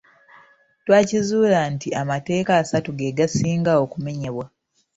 Twakizuula nti amateeka asatu ge gasinga okumenyebwa.